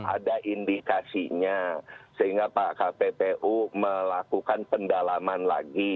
ada indikasinya sehingga pak kppu melakukan pendalaman lagi